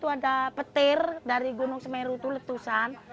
ada petir dari gunung semeru itu letusan